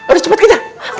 udah cepet kejar